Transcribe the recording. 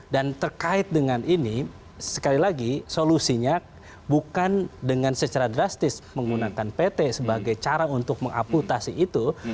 dan terkait dengan ini sekali lagi solusinya bukan dengan secara drastis menggunakan pt sebagai cara untuk mengaputasi itu